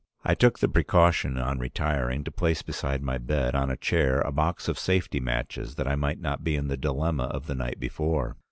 I took the precaution, on retiring, to place beside my bed, on a chair, a box of safety matches, that I might not be in the dilemma of the night before.